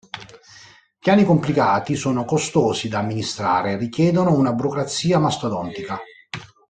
Piani complicati sono costosi da amministrare e richiedono una burocrazia mastodontica.